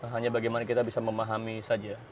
hanya bagaimana kita bisa memahami saja